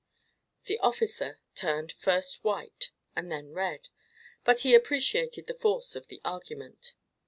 The officer turned first white and then red, but he appreciated the force of the argument.